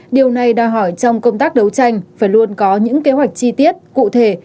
điều này đòi hỏi trong công tác đấu tranh phải luôn có những kế hoạch chi tiết cụ thể